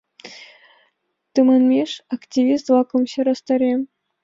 Тыманмеш активист-влакым сӧрастарем.